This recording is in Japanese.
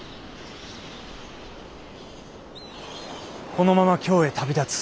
このまま京へ旅立つ。